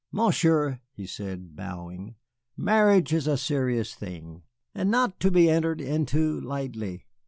"Monsieur," he said, bowing, "marriage is a serious thing, and not to be entered into lightly.